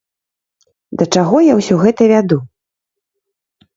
Да чаго я ўсё гэта вяду?